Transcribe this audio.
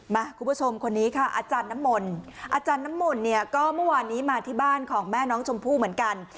คุณผู้ชมคนนี้ค่ะอาจารย์น้ำมนต์อาจารย์น้ำมนต์เนี่ยก็เมื่อวานนี้มาที่บ้านของแม่น้องชมพู่เหมือนกัน